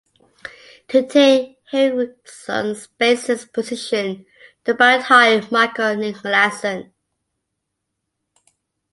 To take Henriksson's bassist position, the band hired Michael Nicklasson.